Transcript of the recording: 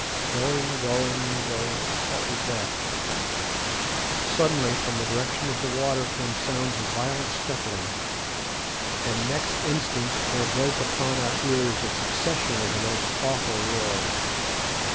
Going, going, go—What was that? Suddenly, from the direction of the water came sounds of violent scuffling, and next instant there broke upon our ears a succession of the most awful roars.